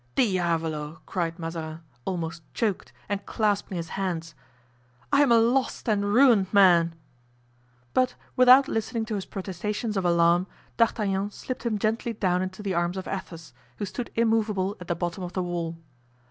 "Diavolo!" cried Mazarin, almost choked, and clasping his hands; "I am a lost and ruined man!" But without listening to his protestations of alarm, D'Artagnan slipped him gently down into the arms of Athos, who stood immovable at the bottom of the wall.